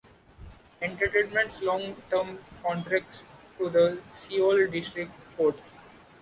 Entertainment's long-term contracts to the Seoul District Court.